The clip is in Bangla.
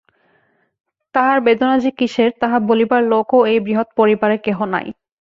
তাহার বেদনা যে কিসের তাহা বলিবার লোকও এই বৃহৎ পরিবারে কেহ নাই।